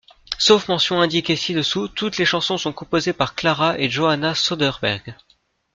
Sauf mention indiquée ci-dessous, toutes les chansons sont composées par Klara et Johanna Söderberg.